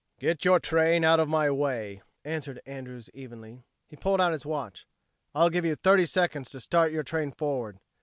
"Get your train out of my way," answered, Andrews evenly. He pulled out his watch. "I'll give you thirty seconds to start your train forward.